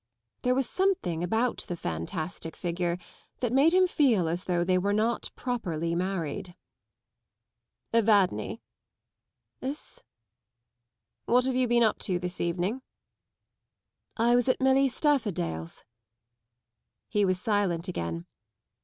There was something about the fantastic figure that made him feel as though they were not properly married. ŌĆó* Evadne? "" *S?" What have you been up to this evening? "" I was at Milly Stafordale's." He was silent again.